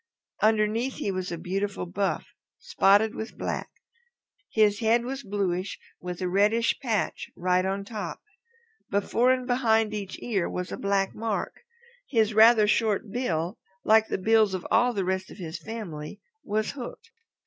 Underneath he was a beautiful buff, spotted with black. His head was bluish with a reddish patch right on top. Before and behind each ear was a black mark. His rather short bill, like the bills of all the rest of his family, was hooked.